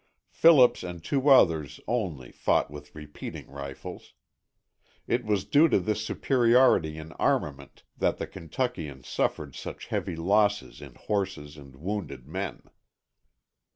Phillips and two others, only, fought with repeating rifles. It was due to this superiority in armament that the Kentuckians suffered such heavy losses in horses and wounded men.